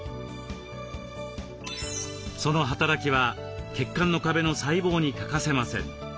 その働きは血管の壁の細胞に欠かせません。